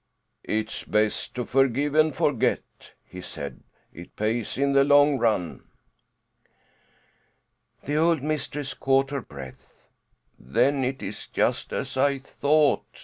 "It's best to forgive and forget," he said. "It pays in the long run." The old mistress caught her breath. "Then it is just as I thought!"